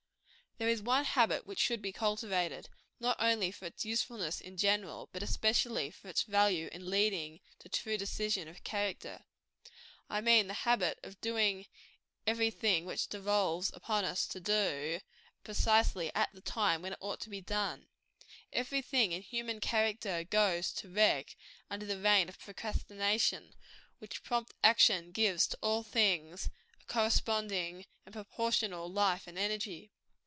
There is one habit which should be cultivated, not only for its usefulness in general, but especially for its value in leading to true decision of character. I mean, the habit of doing every thing which it devolves upon us to do at all, precisely at the time when it ought to be done. Every thing in human character goes to wreck, under the reign of procrastination, while prompt action gives to all things a corresponding and proportional life and energy.